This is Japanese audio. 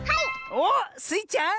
おっスイちゃん。